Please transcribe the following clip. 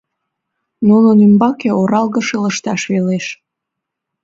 Нунын ӱмбаке оралгыше лышташ велеш.